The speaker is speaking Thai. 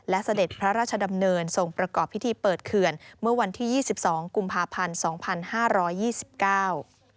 และเสด็จพระราชดำเนินทรงประกอบพิธีเปิดเขื่อนเมื่อวันที่ยี่สิบสองกุมภาพันธ์สองพันห้าร้อยยี่สิบเก้า